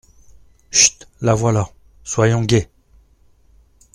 Chut ! la voilà ! soyons gais !